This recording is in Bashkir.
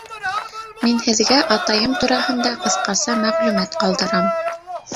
Мин һеҙгә атайым тураһында ҡыҫҡаса мәғлүмәт ҡалдырам.